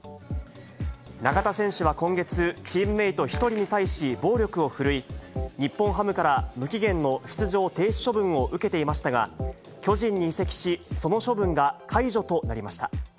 中田選手は今月、チームメート１人に対し暴力を振るい、日本ハムから無期限の出場停止処分を受けていましたが、巨人に移籍し、その処分が解除となりました。